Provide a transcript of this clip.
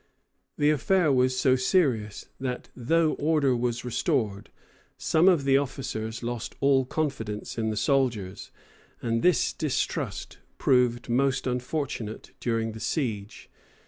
The affair was so serious that though order was restored, some of the officers lost all confidence in the soldiers; and this distrust proved most unfortunate during the siege.